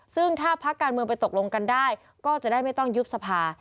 ซึ่งถ้าพักการเมืองไปตกลงกันได้ก็จะได้ไม่ต้องยุบสภา